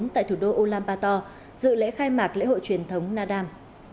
tại thủ đô ulaanbaatar dự lễ khai mạc lễ hội truyền thống na đam